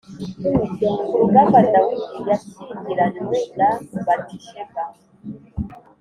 Ku rugamba dawidi yashyingiranywe na batisheba